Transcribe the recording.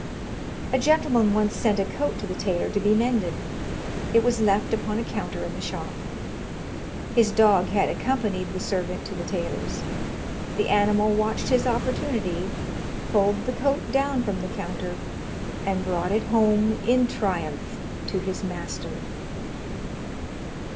"A gentleman once sent a coat to the tailor to be mended it was left upon a counter in the shop. His dog had accompanied the servant to the tailor's. The animal watched his opportunity, pulled the coat down from the counter, and brought it home in triumph to his master.